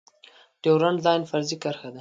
ډیورنډ لاین فرضي کرښه ده